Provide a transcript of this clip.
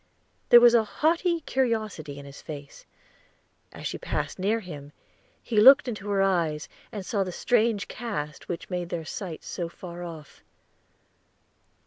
There was a haughty curiosity in his face; as she passed near him, he looked into her eyes, and saw the strange cast which made their sight so far off.